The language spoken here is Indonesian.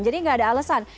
jadi nggak ada alasan